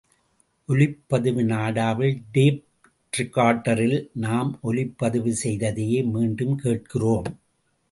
ஒலிப்பதிவு நாடாவில் டேப் ரிக்கார்டரில் நாம் ஒலிப்பதிவு செய்ததையே மீண்டும் கேட்கிறோம்.